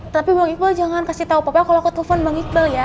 tapi bang iqbal jangan kasih tau papa kalau ketufan bang iqbal ya